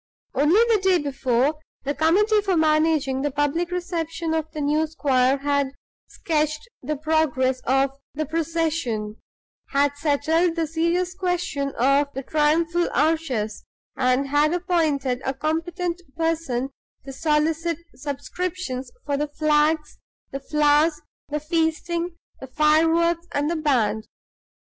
Only the day before, the committee for managing the public reception of the new squire had sketched the progress of the procession; had settled the serious question of the triumphal arches; and had appointed a competent person to solicit subscriptions for the flags, the flowers, the feasting, the fireworks, and the band.